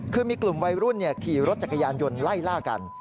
คือมีกลุ่มวัยรุ่นขี่รถจักรยานยนต์ไล่ล่ากัน